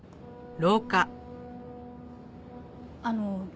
あの。